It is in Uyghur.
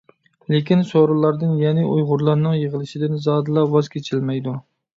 لېكىن، سورۇنلاردىن، يەنى ئۇيغۇرلارنىڭ يىغىلىشىدىن زادىلا ۋاز كېچەلمەيدۇ.